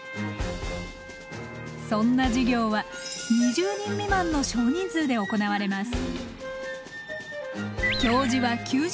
そんな授業は２０人未満の少人数で行われます。